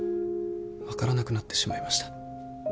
分からなくなってしまいました。